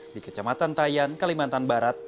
di kecamatan tayan kalimantan barat